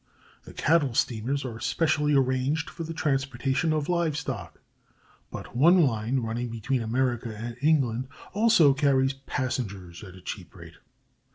The cattle steamers are specially arranged for the transportation of live stock, but one line, running between America and England, also carries passengers at a cheap rate.